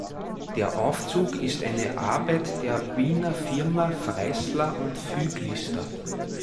Der Aufzug ist eine Arbeit der Wiener Firma Freissler&Füglister.